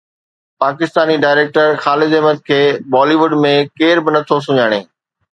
Pakistani director Khalid Ahmed کي Bollywood ۾ ڪير به نٿو سڃاڻي